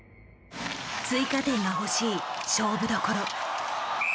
追加点が欲しい勝負どころ。